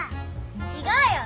・違うよ。